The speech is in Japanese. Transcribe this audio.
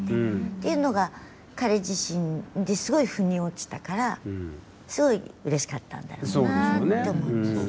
っていうのが彼自身ですごい、ふに落ちたからすごい、うれしかったんだろうなって思いますね。